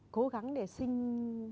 cố gắng để sinh